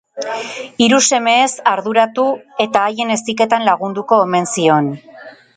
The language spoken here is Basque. Hiru semeez arduratu eta haien heziketan lagunduko omen zion.